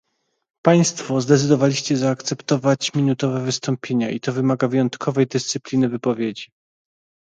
Państwo zdecydowaliście zaakceptować minutowe wystąpienia i to wymaga wyjątkowej dyscypliny wypowiedzi